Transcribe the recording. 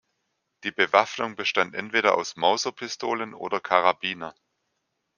Die Bewaffnung bestand entweder aus Mauser-Pistolen oder Karabiner.